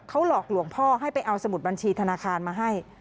เขาหลอกหลวงพ่อให้ไปเอาสมุดบัญชีธนาคารมาให้